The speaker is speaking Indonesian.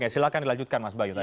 silahkan dilanjutkan mas bayu